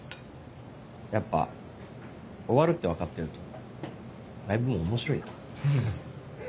やっぱ終わるって分かってるとライブも面白いな。